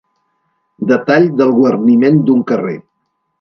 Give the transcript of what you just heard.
Detall del guarniment d'un carrer.